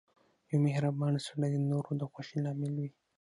• یو مهربان سړی د نورو د خوښۍ لامل وي.